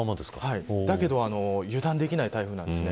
だけど油断できない台風なんです。